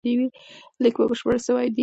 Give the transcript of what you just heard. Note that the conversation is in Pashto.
لیک به بشپړ سوی وي.